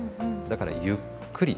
だからゆっくり。